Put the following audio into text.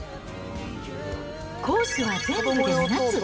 コースは全部で７つ。